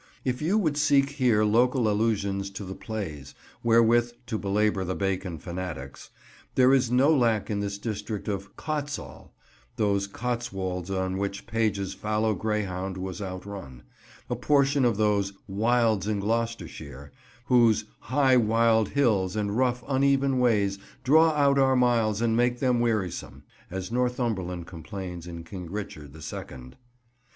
If you would seek here local allusions in the plays, wherewith to belabour the Bacon fanatics, there is no lack in this district of "Cotsall," those Cotswolds on which Page's fallow greyhound was outrun: a portion of those "wilds in Gloucestershire," whose "high wild hills and rough uneven ways, Draw out our miles and make them wearisome," as Northumberland complains in King Richard the Second.